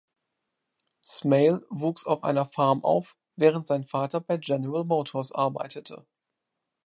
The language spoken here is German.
Smale wuchs auf einer Farm auf, während seiner Vater bei General Motors arbeitete.